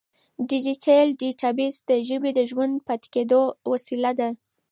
ډیجیټل ډیټابیس د ژبې د ژوندي پاتې کېدو وسیله ده.